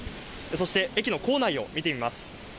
そして、駅の構内を見てみます。